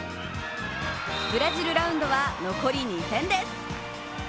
ブラジルラウンドは残り２戦です。